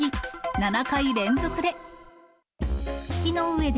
７回連続で。